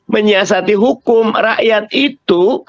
menyiasati hukum rakyat itu